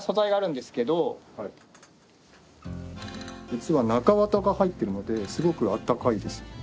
実は中綿が入ってるのですごく暖かいです。